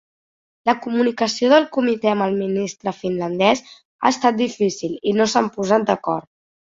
La comunicació del Comité amb el ministre finlandés ha estat difícil i no s'han posat d'acord.